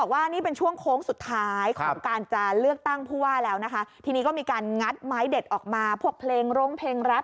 ก็นี่เป็นช่วงโค้งสุดท้ายออกมาพวกเพลงร้องเพลงรับ